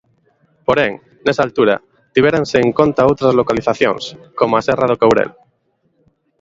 Porén, nesa altura, tivéranse en conta outras localizacións, como a serra do Courel.